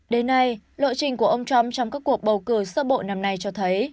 đến nay lộ trình của ông trump trong các cuộc bầu cử sơ bộ năm nay cho thấy